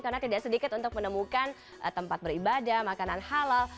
karena tidak sedikit untuk menemukan tempat beribadah makanan halal